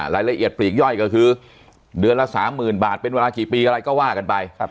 ละเอียดปลีกย่อยก็คือเดือนละ๓๐๐๐บาทเป็นเวลากี่ปีอะไรก็ว่ากันไป